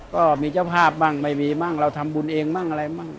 ก็มีเจ้าภาพบ้างไม่มีบ้างเราทำบุญเองบ้างอะไรมั่ง